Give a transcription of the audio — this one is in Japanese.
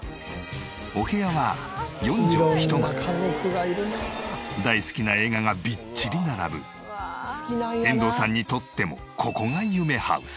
お部屋は大好きな映画がびっちり並ぶ遠藤さんにとってもここが夢ハウス。